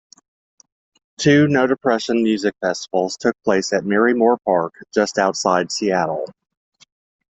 Two No Depression music festivals took place at Marymoore Park, just outside Seattle.